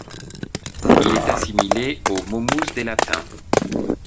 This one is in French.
Il est assimilé au Momus des Latins.